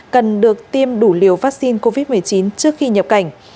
cần được tiêm đủ liều vaccine covid một mươi chín trước khi nhập cảnh